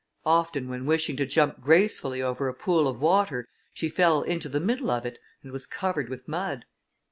Often when wishing to jump gracefully over a pool of water, she fell into the middle of it, and was covered with mud.